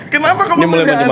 kenapa kamu memilih anies